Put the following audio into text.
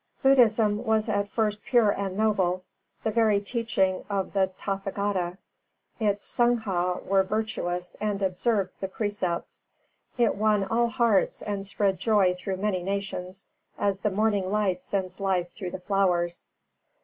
Buddhism was at first pure and noble, the very teaching of the Tathagata; its Sangha were virtuous and observed the Precepts; it won all hearts and spread joy through many nations, as the morning light sends life through the flowers.